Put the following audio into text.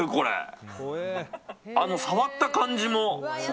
触った感じも。